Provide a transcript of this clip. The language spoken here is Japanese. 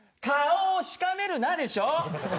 「顔をしかめるな」でしょ？